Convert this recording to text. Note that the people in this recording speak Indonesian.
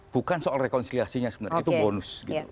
bukan soal rekonsiliasinya sebenarnya itu bonus